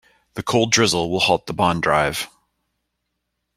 The cold drizzle will halt the bond drive.